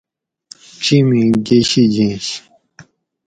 چیمی گۤشی جینش